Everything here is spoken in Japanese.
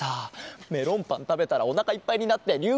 メロンパンたべたらおなかいっぱいになってりゅう